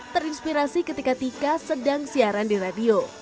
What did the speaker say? terinspirasi ketika tika sedang siaran di radio